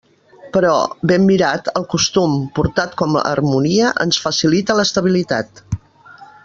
Però, ben mirat, el costum, portat com a harmonia, ens facilita l'estabilitat.